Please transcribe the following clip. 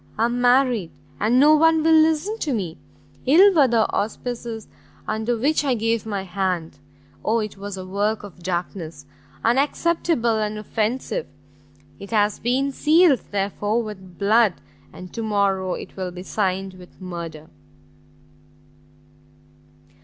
I am married, and no one will listen to me! ill were the auspices under which I gave my hand! Oh it was a work of darkness, unacceptable and offensive! it has been sealed, therefore, with blood, and to morrow it will be signed with murder!"